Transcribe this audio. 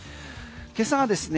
今朝ですね